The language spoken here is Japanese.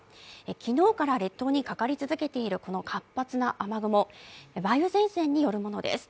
昨日から列島にかかり続けているこの活発な雨雲、梅雨前線によるものです。